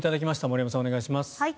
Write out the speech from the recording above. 森山さん、お願いします。